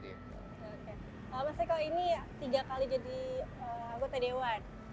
pak mas eko ini tiga kali jadi anggota dewan